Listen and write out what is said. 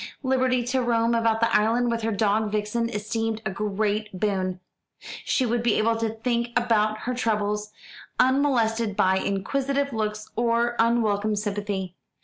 Liberty to roam about the island with her dog Vixen esteemed a great boon. She would be able to think about her troubles, unmolested by inquisitive looks or unwelcome sympathy.